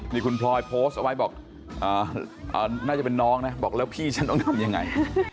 นี่คุณพลอยโพสต์เอาไว้บอกน่าจะเป็นน้องนะบอกแล้วพี่ฉันต้องทำยังไง